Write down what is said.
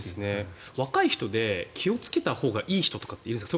若い人で気をつけたほうがいい人っているんですか？